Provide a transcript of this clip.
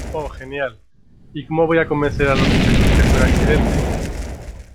Oh, genial. ¿ cómo voy a convencer a los muchachos que fue un accidente?